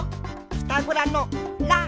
ピタゴラの「ラ」。